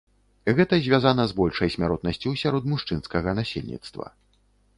Гэта звязана з большай смяротнасцю сярод мужчынскага насельніцтва.